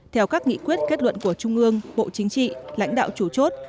theo các nghị quyết kết luận của trung ương bộ chính trị lãnh đạo chủ chốt